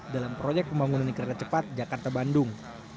dalam proyek pembangunan kereta cepat jakarta bandung